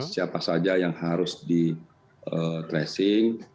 siapa saja yang harus di tracing